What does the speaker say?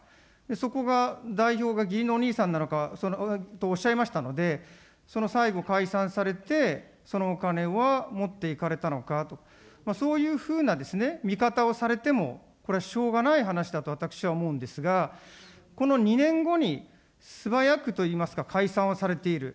そこが代表が義理のお兄さんなのか、そう、おっしゃいましたので、その最後、解散されて、そのお金は持っていかれたのか、そういうふうな見方をされても、これはしょうがない話だと私は思うんですが、この２年後に素早くといいますか、解散をされている。